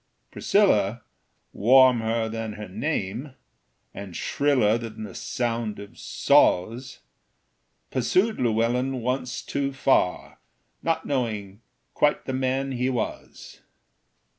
Priscilla, warmer than her name, And shriller than the sound of saws, Pursued Llewellyn once too far, Not knowing quite the man he was.